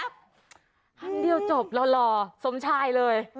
คำเดียวจบหล่อสมชัยเลย